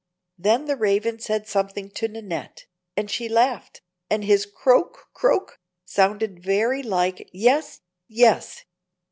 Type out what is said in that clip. Then the Raven said something to Nannette, and she laughed, and his "Croak! croak!" sounded very like "Yes! yes!"